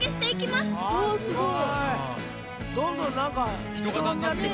すごい！